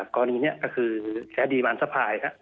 กรณีนี้ก็คือใช้ดีบานสะพาย